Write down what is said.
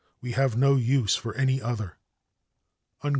We have no use for any other." XX.